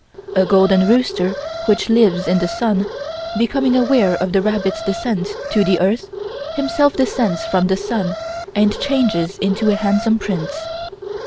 A golden rooster which lives in the sun, becoming aware of the rabbit's descent to the earth, himself descends from the sun and changes into a handsome prince.